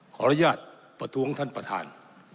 ขออนุญาตประท้วงท่านประธาน